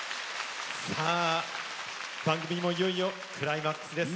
番組もいよいよクライマックスです。